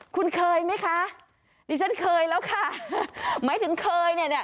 คุณเคยไหมคะนี่ฉันเคยแล้วค่ะหมายถึงเคย